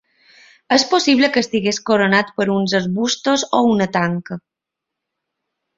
És possible que estigués coronat per uns arbustos o una tanca.